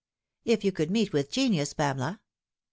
" If you could meet with genius, Pamela."